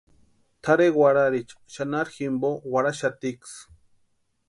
Tʼarhe warharicha xanharu jimpo warhaxatiksï.